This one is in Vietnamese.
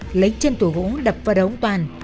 sau đó hắn lại tiếp tục lấy chân tủ gỗ đập vào ông toàn